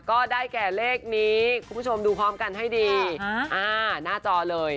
ก็ได้แก่เลขนี้คุณผู้ชมดูพร้อมกันให้ดีอ่าหน้าจอเลย